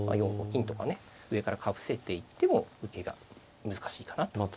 ４五金とかね上からかぶせて行っても受けが難しいかなと。